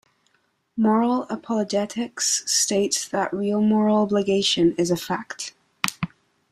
Moral apologetics states that real moral obligation is a fact.